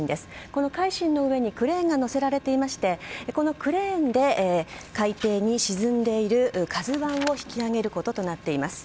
この「海進」の上にクレーンが載せられていましてこのクレーンで海底に沈んでいる「ＫＡＺＵ１」を引き揚げることとなっています。